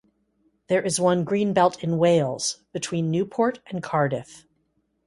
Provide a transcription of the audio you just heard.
There is one green belt in Wales, between Newport and Cardiff.